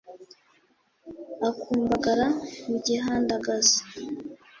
Akumbagara mu gihandagaza